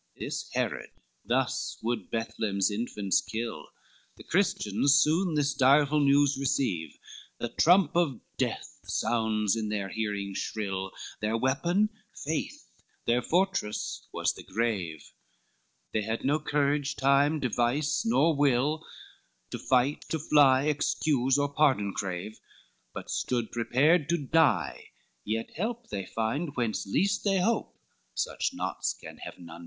XIII This Herod thus would Bethlem's infants kill, The Christians soon this direful news receave, The trump of death sounds in their hearing shrill, Their weapon, faith; their fortress, was the grave; They had no courage, time, device, or will, To fight, to fly, excuse, or pardon crave, But stood prepared to die, yet help they find, Whence least they hope, such knots can Heaven unbind.